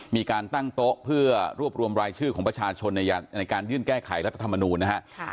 มีการตั้งโต๊ะเพื่อรวบรวมรายชื่อของประชาชนในการยื่นแก้ไขรัฐธรรมนูญนะฮะ